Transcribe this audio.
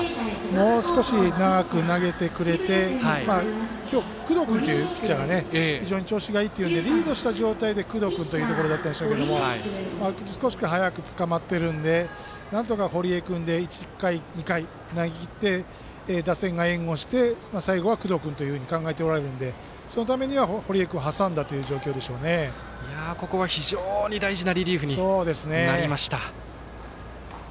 もう少し長く投げてくれて今日、工藤君というピッチャーが非常に調子がいいっていうんでリードした状態で工藤君というところだったんでしょうけど少し早くつかまってるんでなんとか堀江君で１回、２回投げきって打線が援護して最後は工藤君というふうに考えておられるんでそのために堀江君を挟んだというここは、非常に大事なリリーフになりました。